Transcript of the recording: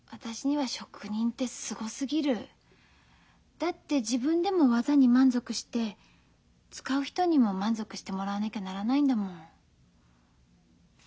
だって自分でも技に満足して使う人にも満足してもらわなきゃならないんだもの。